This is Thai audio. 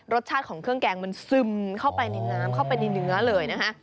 รสชาติของเครื่องแกงมันซึมเข้าไปในน้ำเข้าไปในเนื้อเลยนะฮะ